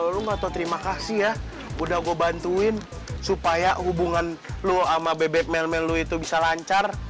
lu gak tau terima kasih ya udah gue bantuin supaya hubungan lo sama bebek mel melu itu bisa lancar